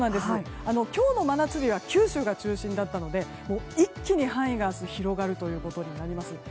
今日の真夏日は九州が中心だったので一気に範囲が明日、広がることになります。